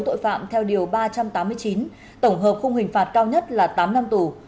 tội phạm theo điều ba trăm tám mươi chín tổng hợp khung hình phạt cao nhất là tám năm tù